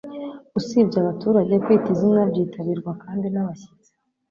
Usibye abaturage, kwita izina byitabirwa kandi n'abashyitsi